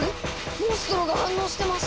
モンストロが反応してます！